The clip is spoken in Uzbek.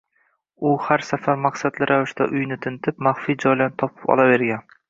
u har safar maqsadli ravishda uyni tintib, maxfiy joylarni topib olavergan.